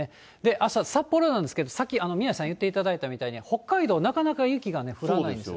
あすは札幌なんですけど、さっき、宮根さん言っていただいたように、北海道、なかなか雪が降らないんですよ。